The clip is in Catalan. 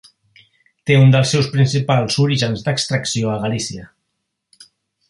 Té un dels seus principals orígens d'extracció a Galícia.